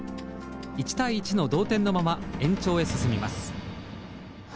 １対１の同点のまま延長へ進みます。